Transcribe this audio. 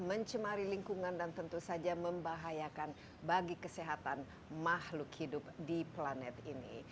mencemari lingkungan dan tentu saja membahayakan bagi kesehatan makhluk hidup di planet ini